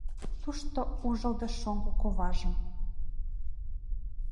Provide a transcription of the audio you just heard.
Тушто ужылдыш шоҥго куважым